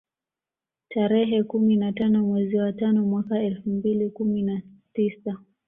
Tarehe kumi na tano mwezi wa tano mwaka elfu mbili kumi na tisa